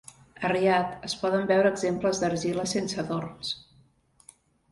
A Riad, es poden veure exemples d'argila sense adorns.